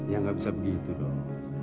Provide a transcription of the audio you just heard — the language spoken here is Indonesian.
ya nggak bisa begitu dong